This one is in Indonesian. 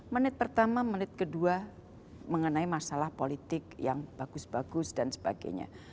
menit pertama menit kedua mengenai masalah politik yang bagus bagus dan sebagainya